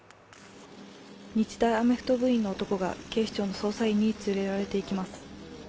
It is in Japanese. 日大アメフト部員の男が警視庁の捜査員に連れられていきます。